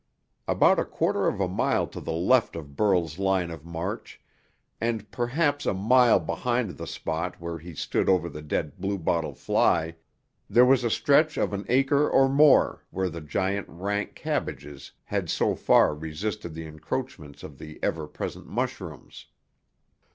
About a quarter of a mile to the left of Burl's line of march, and perhaps a mile behind the spot where he stood over the dead bluebottle fly, there was a stretch of an acre or more where the giant, rank cabbages had so far resisted the encroachments of the ever present mushrooms.